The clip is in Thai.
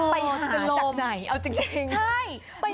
ไปหาจากไหนเอาจริง